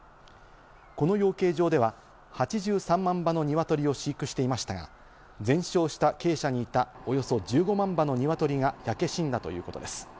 この養鶏場では８３万羽の鶏を飼育していましたが、全焼した鶏舎にいたおよそ１５万羽の鶏が焼け死んだということです。